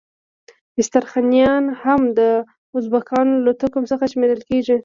استرخانیان هم د ازبکانو له توکم څخه شمیرل کیږي.